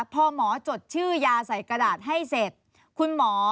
พอหมอจดชื่อยาใส่กระดาษให้เสร็จคุณหมอ